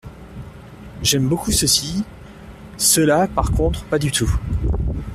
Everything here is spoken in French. J’aime beaucoup ceux-ci, ceux-là par contre pas du tout.